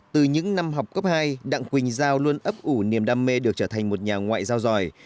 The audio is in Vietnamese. từ những năm học cấp hai đặng quỳnh giao luôn ấp ủ niềm đam mê được trở thành một nhà ngoại giao giỏi